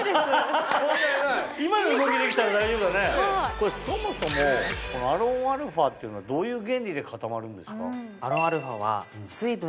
これそもそもアロンアルフアっていうのはどういう原理で固まるんですか？